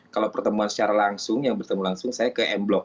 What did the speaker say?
kalau pertemuan secara langsung yang bertemu langsung saya ke m blok